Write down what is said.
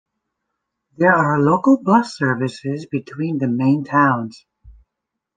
There are local bus services between the main towns.